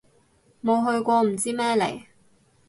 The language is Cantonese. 冇去過唔知咩嚟